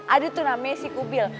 aduh tuh namanya si kubil